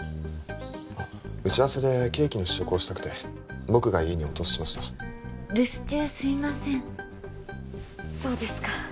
あっ打ち合わせでケーキの試食をしたくて僕が家にお通ししました留守中すいませんそうですか